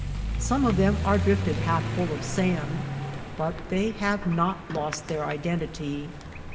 Some of them are drifted half full of sand, but they have not lost their identity.